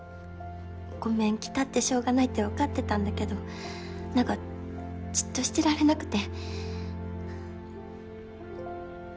ごめん来たってしょうがないってわかってたんだけど何かじっとしてられなくて。